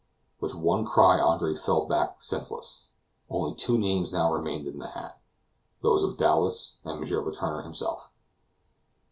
With one cry Andre fell back senseless. Only two names now remained in the hat those of Dowlas and M. Letourneur himself.